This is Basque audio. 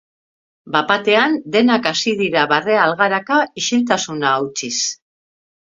Bat-batean denak hasi dira barre algaraka isiltasuna hautsiz.